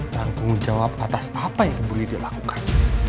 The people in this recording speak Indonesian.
tanggung jawab atas apa yang bu lydia lakukan